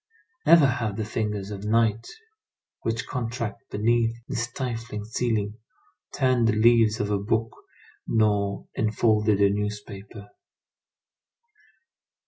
Never have the fingers of night which contract beneath this stifling ceiling, turned the leaves of a book nor unfolded a newspaper.